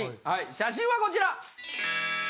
写真はこちら！